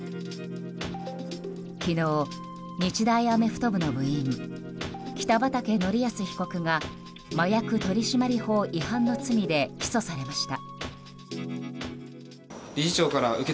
昨日、日大アメフト部の部員北畠成文被告が麻薬取締法違反の罪で起訴されました。